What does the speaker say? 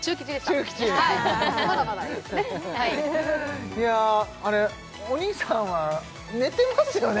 中吉いやあれ鬼さんは寝てますよね？